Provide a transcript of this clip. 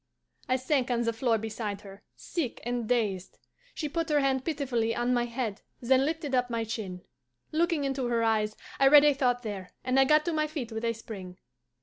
I sank on the floor beside her, sick and dazed. She put her hand pitifully on my head, then lifted up my chin. Looking into her eyes, I read a thought there, and I got to my feet with a spring.